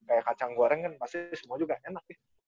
kayak kacang goreng kan pasti semua juga enak ya